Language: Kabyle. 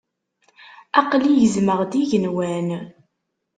Aqli gezmeɣ-d igenwan.